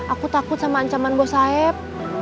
aku takut sama ancaman bos saeb